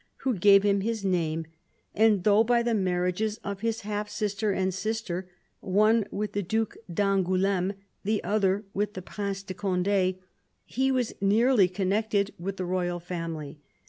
who gave him his name, and though, by the marriages of his half sister and sister — one with the Due d'Angouleme, the other with the Prince de Cond6 — he was nearly connected with the royal family.